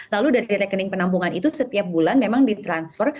lalu dari rekening penampungan itu setiap bulan memang di transfer